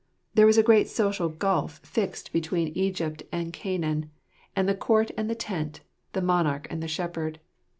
There was a great social gulf fixed between Egypt 1 32 yatlxer. and Canaan, the court and the tent, the monarch and the shepherd.